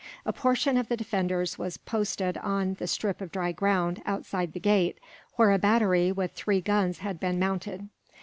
A portion of the defenders was posted on the strip of dry ground, outside the gate, where a battery with three guns had been mounted.